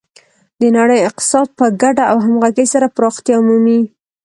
د نړۍ اقتصاد په ګډه او همغږي سره پراختیا مومي.